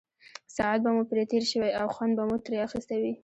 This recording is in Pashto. ساعت به مو پرې تېر شوی او خوند به مو ترې اخیستی وي.